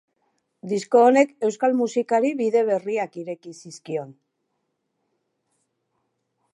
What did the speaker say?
Disko honek euskal musikari bide berriak ireki zizkion.